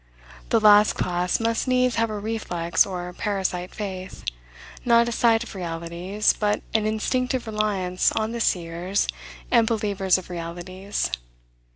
The last class must needs have a reflex or parasite faith; not a sight of realities, but an instinctive reliance on the seers and believers of realities.